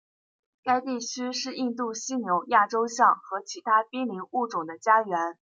该地区是印度犀牛亚洲象和其他濒危物种的家园。